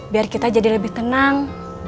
biar kita jadi lebih tenang